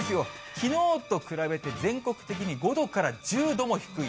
きのうと比べて全国的に５度から１０度も低い。